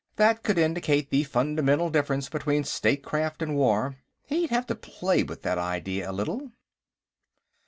That could indicate the fundamental difference between statecraft and war. He'd have to play with that idea a little.